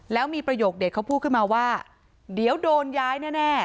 แล้วมีประโยคเด็ดเขาพูดขึ้นมาว่าเดี๋ยวโดนย้ายแน่